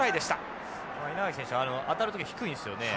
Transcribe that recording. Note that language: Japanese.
稲垣選手は当たる時低いんですよね。